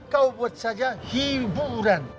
kau buat saja hiburan